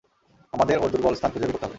আমাদের ওর দুর্বল স্থান খুঁজে বের করতে হবে।